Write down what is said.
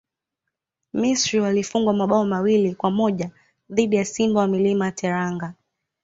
misri walifungwa mabao mawili kwa moja dhidi ya simba wa milima ya teranga